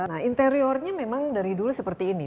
nah interiornya memang dari dulu seperti ini